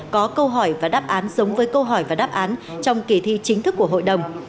có câu hỏi và đáp án giống với câu hỏi và đáp án trong kỳ thi chính thức của hội đồng